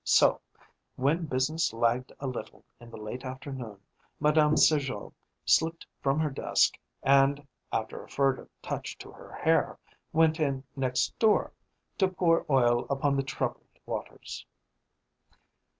So, when business lagged a little in the late afternoon, Madame Sergeot slipped from her desk, and, after a furtive touch to her hair, went in next door, to pour oil upon the troubled waters.